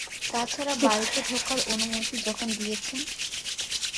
তাছাড়া বাড়িতে ঢোকার অনুমতি যখন দিয়েছেন।